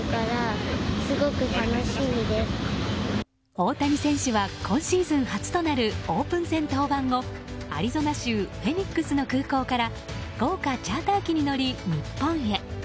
大谷選手は今シーズン初となるオープン戦登板後アリゾナ州フェニックスの空港から豪華チャーター機に乗り、日本へ。